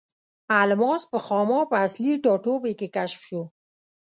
الماس په خاما په اصلي ټاټوبي کې کشف شو.